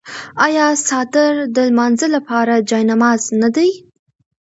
آیا څادر د لمانځه لپاره جای نماز نه دی؟